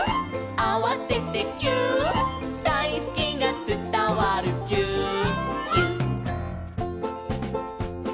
「あわせてぎゅーっ」「だいすきがつたわるぎゅーっぎゅっ」